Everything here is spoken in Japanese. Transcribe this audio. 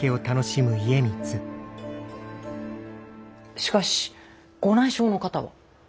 しかしご内証の方は？